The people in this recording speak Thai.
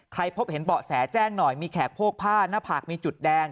พบเห็นเบาะแสแจ้งหน่อยมีแขกโพกผ้าหน้าผากมีจุดแดง